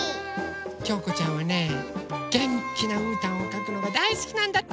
きょうこちゃんはねげんきなうーたんをかくのがだいすきなんだって！